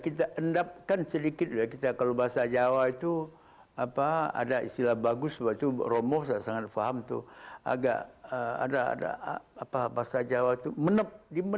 kita endapkan sedikit kalau bahasa jawa itu ada istilah bagus bahasa jawa itu menep